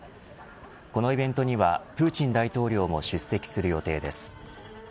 このイベントにはプーチン大統領も出席する予定です。